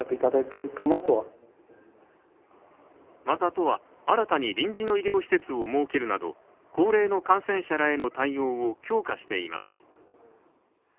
また都は新たに臨時の医療施設を設けるなど高齢の感染者らへの対応を強化しています。